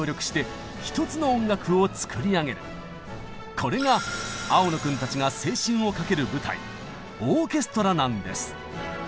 これが青野君たちが青春をかける舞台「オーケストラ」なんです。